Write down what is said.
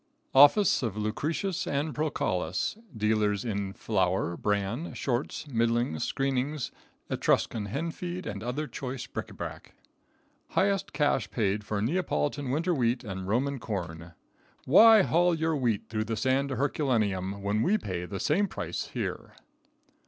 Office of Lucretius & Procalus, Dealers In Flour, Bran, Shorts, Middlings, Screenings, Etruscan Hen Feed, and Other Choice Bric A Brac. _Highest Cash Price Paid for Neapolitan Winter Wheat and Roman Corn Why haul your Wheat through the sand to Herculaneum when we pay the same price here?